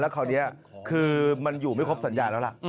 คราวนี้คือมันอยู่ไม่ครบสัญญาแล้วล่ะ